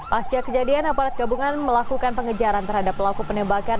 pasca kejadian aparat gabungan melakukan pengejaran terhadap pelaku penembakan